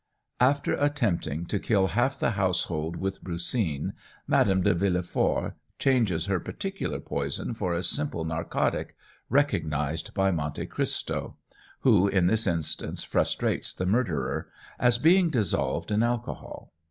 '" After attempting to kill half the household with brucine, Madame de Villefort changes her particular poison for a simple narcotic, recognized by Monte Christo (who in this instance frustrates the murderer) as being dissolved in alcohol.